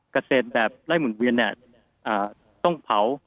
เกษตรแบบไล่หุ่นเวียนต้องเผา